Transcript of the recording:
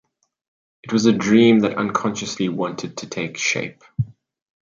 It was a dream that unconsciously wanted to take shape”.